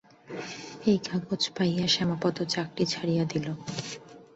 এই কাগজ পাইয়া শ্যামাপদ চাকরি ছাড়িয়া দিল।